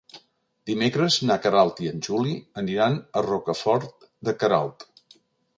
Dimecres na Queralt i en Juli aniran a Rocafort de Queralt.